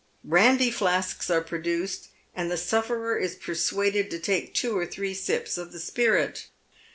Brandy flasks are produced, and the sufferer is persuaded to take two or three sips of the spirit.